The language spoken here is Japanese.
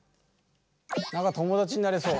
何か友だちになれそう。